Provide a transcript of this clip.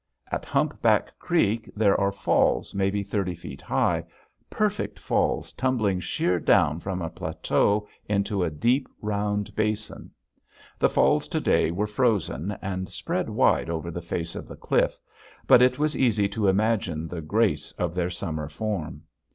At Humpback Creek there are falls maybe thirty feet high, perfect falls tumbling sheer down from a plateau into a deep round basin. The falls to day were frozen and spread wide over the face of the cliff; but it was easy to imagine the grace of their summer form.